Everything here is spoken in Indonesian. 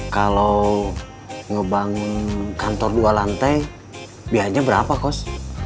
kalau ngebangun kantor dua lantai biayanya berapa kos